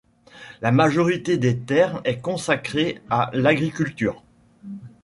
La majorité des terres est consacrée à l'agriculture.